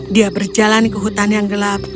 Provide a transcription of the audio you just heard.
dia berjalan ke hutan yang gelap